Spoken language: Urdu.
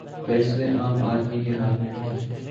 فیصلے عام آدمی کے ہاتھ میں نہیں۔